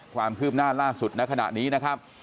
ความคืบหน้าล่าสุดในขณะนี้นะครับ